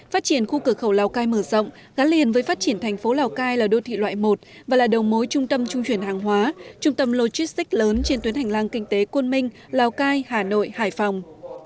phát triển khu cửa khẩu lào cai mở rộng gắn liền với phát triển thành phố lào cai là đô thị loại một và là đầu mối trung tâm trung chuyển hàng hóa trung tâm logistics lớn trên tuyến hành lang kinh tế côn minh lào cai hà nội hải phòng